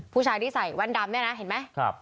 ผู้ชายที่ใส่แว่นดำเนี่ยนะเห็นไหม